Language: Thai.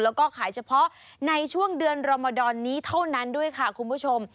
แล้วก็ขายเฉพาะในช่วงเดือนรมดรนี้เท่านั้นด้วยค่ะคุณผู้ชม